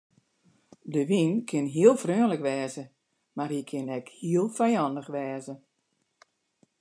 De wyn kin heel freonlik wêze mar hy kin ek heel fijannich wêze.